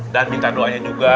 dan minta doanya juga